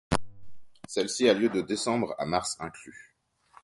Celle-ci a lieu de décembre à mars inclus.